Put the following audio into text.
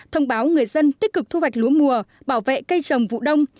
thông báo người dân tích cực thu hoạch lúa mùa bảo vệ cây trồng vụ đông